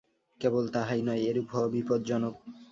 কেবল তাহাই নয়, এরূপ হওয়া বিপজ্জনক।